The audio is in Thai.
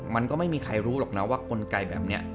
มันก็ไม่มีใครรู้หรอกนะว่ากลไกแบบนี้